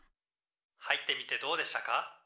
「入ってみてどうでしたか？」。